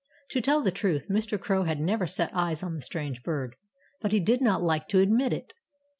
To tell the truth, Mr. Crow had never set eyes on the strange bird. But he did not like to admit it.